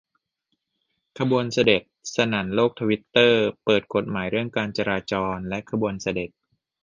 ขบวนเสด็จ สนั่นโลกทวิตเตอร์ เปิดกฎหมายเรื่องการจราจรและขบวนเสด็จ